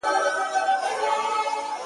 • وږی نس دي له وښو څخه محروم دی -